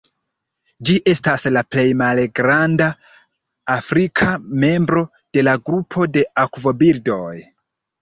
Ĝi estas la plej malgranda afrika membro de la grupo de akvobirdoj.